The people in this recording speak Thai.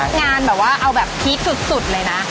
งานแบบว่าเอาแบบพีคสุดเลยนะ